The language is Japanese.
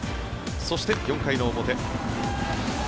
そして、４回の表。